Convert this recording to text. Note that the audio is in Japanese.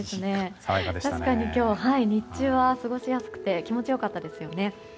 確かに今日、日中は過ごしやすくて気持ち良かったですよね。